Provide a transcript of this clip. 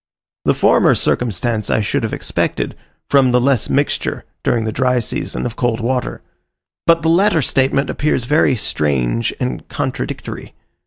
The former circumstance I should have expected, from the less mixture, during the dry season, of cold water; but the latter statement appears very strange and contradictory.